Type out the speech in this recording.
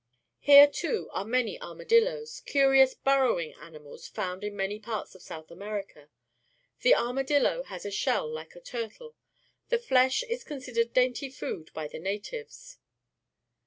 Here, too, are many armadillos, curious burrowing animals found m many parts of South America. The armadillo has a shell like a turtle. The flesh is considered dainty food by the natives.